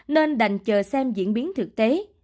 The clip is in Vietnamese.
nên đành chờ xem diễn biến thực tế